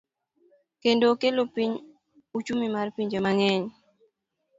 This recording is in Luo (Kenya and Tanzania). Kendo okelo piny uchumi mar pinje mang'eny.